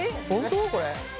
これ。